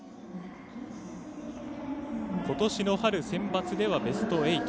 ことしの春センバツではベスト８。